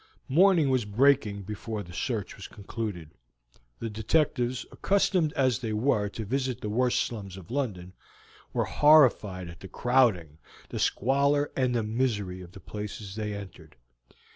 Morning was breaking before the search was concluded. The detectives, accustomed as they were to visit the worst slums of London, were horrified at the crowding, the squalor, and the misery of the places they entered.